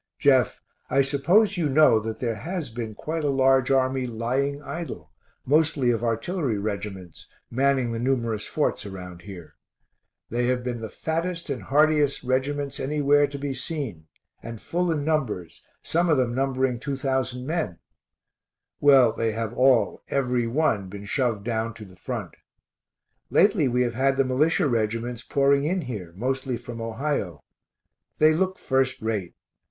Jeff, I suppose you know that there has been quite a large army lying idle, mostly of artillery reg'ts, manning the numerous forts around here. They have been the fattest and heartiest reg'ts anywhere to be seen, and full in numbers, some of them numbering 2000 men. Well, they have all, every one, been shoved down to the front. Lately we have had the militia reg'ts pouring in here, mostly from Ohio. They look first rate.